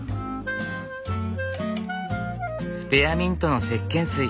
スペアミントのせっけん水。